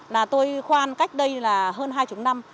là tôi khoan cách đây là hơn hai mươi năm